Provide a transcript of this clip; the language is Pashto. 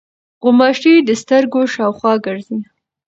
غوماشې د سترګو شاوخوا ګرځي.